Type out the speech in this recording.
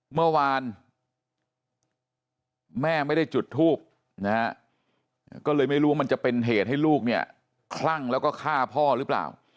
เมื่อวานแม่ไม่ได้จุดทูบนะฮะก็เลยไม่รู้ว่ามันจะเป็นเหตุให้ลูกเนี่ยคลั่งแล้วก็ฆ่าพ่อหรือเปล่า